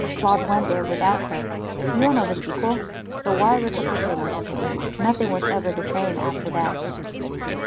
Claude went there without her. You all know the sequel, so why recapitulate? Nothing was ever the same after that."